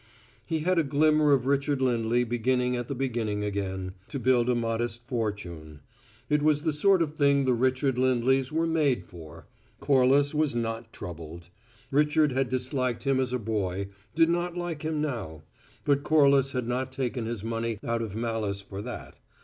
He had a glimmer of Richard Lindley beginning at the beginning again to build a modest fortune: it was the sort of thing the Richard Lindleys were made for. Corliss was not troubled. Richard had disliked him as a boy; did not like him now; but Corliss had not taken his money out of malice for that.